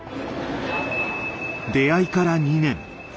出会いから２年。